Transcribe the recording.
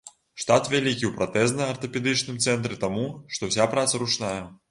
Штат вялікі ў пратэзна-артапедычным цэнтры таму, што ўся праца ручная.